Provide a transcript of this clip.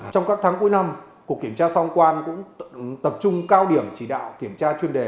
trong các tháng cuối năm cục kiểm tra sau thông quan cũng tập trung cao điểm chỉ đạo kiểm tra chuyên đề